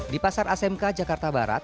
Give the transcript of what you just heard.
di pasar asmk jakarta barat